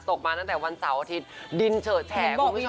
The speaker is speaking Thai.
มาตั้งแต่วันเสาร์อาทิตย์ดินเฉิดแฉคุณผู้ชม